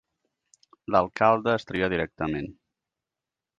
L'alcalde es tria directament.